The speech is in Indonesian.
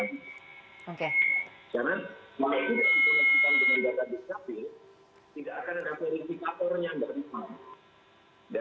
tidak akan ada verifikatornya dari mana